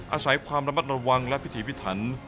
อาศัยความระมัดระวังและพิถีพิถัน